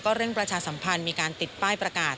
เร่งประชาสัมพันธ์มีการติดป้ายประกาศ